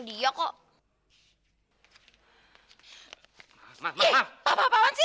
kedayaan cuman are pros aku nggak mau ketemu dia kok